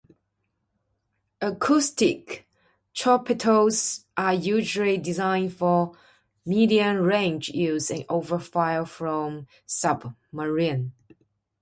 Acoustic torpedoes are usually designed for medium-range use, and often fired from a submarine.